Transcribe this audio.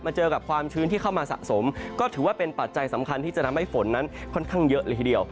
เจอกับความชื้นที่เข้ามาสะสมก็ถือว่าเป็นปัจจัยสำคัญที่จะทำให้ฝนนั้นค่อนข้างเยอะเลยทีเดียว